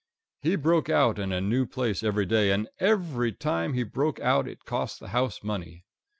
He broke out in a new place every day, and every time he broke out it cost the house money.